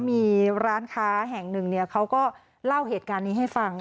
มีร้านค้าแห่งหนึ่งเขาก็เล่าเหตุการณ์นี้ให้ฟัง